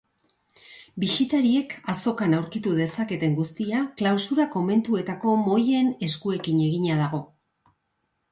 Bisitariek azokan aurkitu dezaketen guztia klausura komentuetako mojen eskuekin eginda dago.